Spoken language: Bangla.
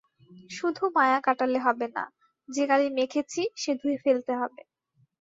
শুধু মায়া কাটালে হবে না, যে কালি মেখেছি সে ধুয়ে ফেলতে হবে।